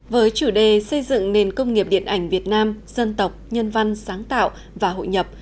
với chủ đề xây dựng nền công nghiệp điện ảnh việt nam dân tộc nhân văn sáng tạo và hội nhập